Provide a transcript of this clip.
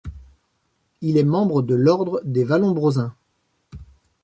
Il est membre de l'ordre des Vallombrosains.